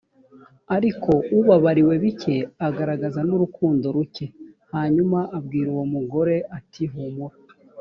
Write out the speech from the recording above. ariko ubabariwe bike agaragaza n urukundo ruke hanyuma abwira uwo mugore ati humura